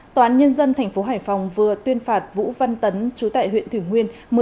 toán nhân dân tp hải phòng vừa tuyên phạt vũ văn tấn chú tại huyện thủy nguyên